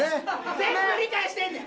全部理解してんねん！